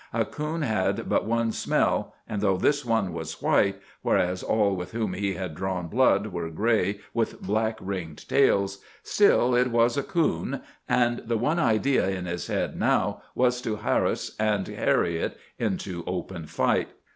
A coon had but one smell, and though this one was white, whereas all with whom he had drawn blood were gray with black ringed tails, still it was a coon, and the one idea in his head now was to harass and harry it into open fight.